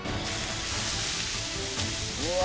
うわ。